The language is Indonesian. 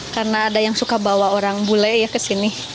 karena ada yang suka bawa orang bule ya ke sini